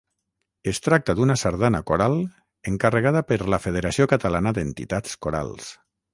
Es tracta d'una sardana coral encarregada per la Federació Catalana d'Entitats Corals.